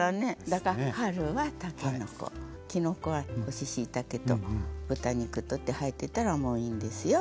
だから春はたけのこきのこは干ししいたけと豚肉とって入ってたらもういいんですよ。